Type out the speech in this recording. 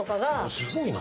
すごいな。